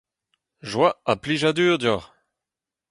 Joa ha plijadur deoc'h !